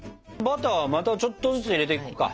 バターまたちょっとずつ入れていこうか。